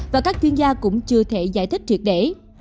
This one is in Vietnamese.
và các chuyên gia cũng chưa thể giải thích triệt để